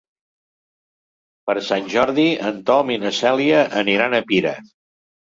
Per Sant Jordi en Tom i na Cèlia aniran a Pira.